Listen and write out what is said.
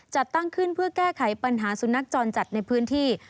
จัดตั้งขึ้นเพื่อแก้ไขปัญหาสุนัขจรจัดในพื้นที่